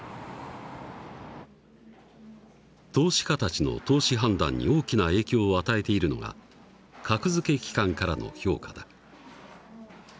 投資家たちの投資判断に大きな影響を与えているのが格付け機関からの評価だ。